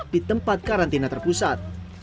di tempat karantina terpusat